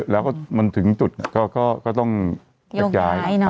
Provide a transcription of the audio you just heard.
แล้วก็มันถึงจุดก็ต้องยกย้าย